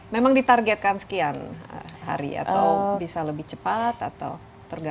memang ditargetkan sekian hari atau bisa lebih cepat atau terganggu